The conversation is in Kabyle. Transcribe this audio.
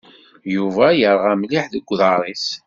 Yuba yerɣa mliḥ deg uḍar-is.